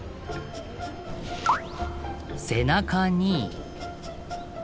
背中に。